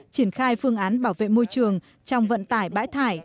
triển khai phương án bảo vệ môi trường trong vận tải bãi thải